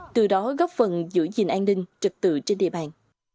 từ đó góp phần giữ gìn an ninh trực tự trên địa bàn